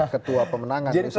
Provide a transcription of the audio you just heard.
ketua pemenangan misalnya